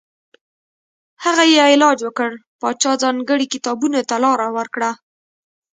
هغه یې علاج وکړ پاچا ځانګړي کتابتون ته لاره ورکړه.